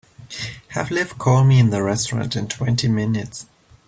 Have Liv call me in the restaurant in twenty minutes.